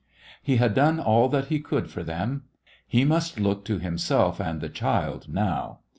He had done all that he could for them. He must look to himself and the child now.